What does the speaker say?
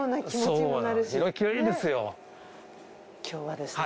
今日はですね